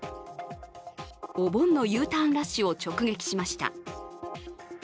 お盆のＵターンラッシュを直撃しました。